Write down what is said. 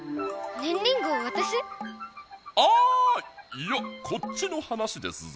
いやこっちの話ですぞ。